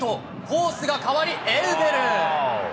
コースが変わり、エウベル。